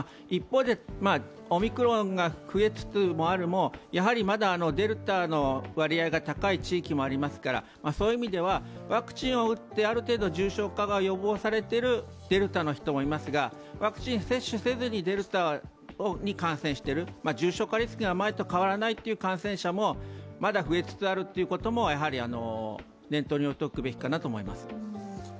一方でオミクロンが増えつつあるもまだデルタの割合が高い地域もありますからそういう意味では、ワクチンを打ってある程度重症化を防いでいるデルタの人もいますがワクチン接種せずにデルタに感染している、重症化リスクが前と変わらないという感染者もまだ増えつつあるということも、やはり念頭に置いておくべきだと思います。